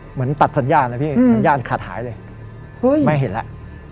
เหมือนตัดสัญญาณนะพี่สัญญาณขาดหายเลยไม่เห็นแล้ว